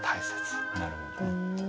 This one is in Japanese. なるほどね。